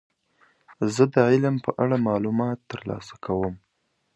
زه د علم په اړه معلومات ترلاسه کوم.